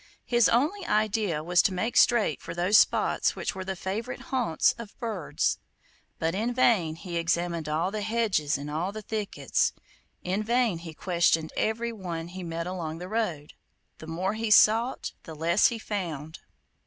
His only idea was to make straight for those spots which were the favourite haunts of birds. But in vain he examined all the hedges and all the thickets; in vain he questioned everyone he met along the road. The more he sought the less he found.